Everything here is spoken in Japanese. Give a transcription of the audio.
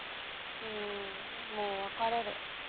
うんもう別れる。